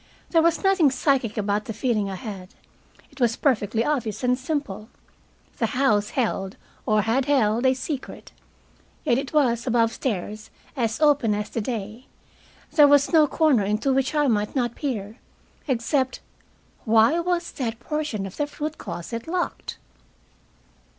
There was nothing psychic about the feeling I had. It was perfectly obvious and simple. The house held, or had held, a secret. Yet it was, above stairs, as open as the day. There was no corner into which I might not peer, except Why was that portion of the fruit closet locked?